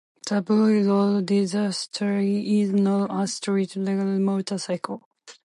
The V-Rod Destroyer is not a street legal motorcycle.